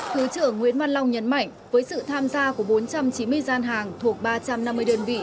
thứ trưởng nguyễn văn long nhấn mạnh với sự tham gia của bốn trăm chín mươi gian hàng thuộc ba trăm năm mươi đơn vị